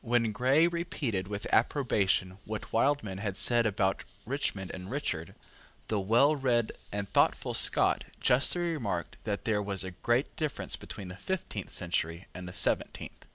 When Grey repeated with approbation what Wildman had said about Richmond and Richard, the well read and thoughtful Scot justly remarked that there was a great difference between the fifteenth century and the seventeenth.